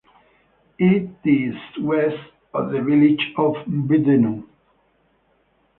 It is west of the village of Vedeno.